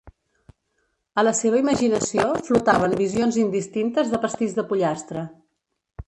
A la seva imaginació flotaven visions indistintes de pastís de pollastre.